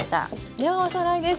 ではおさらいです。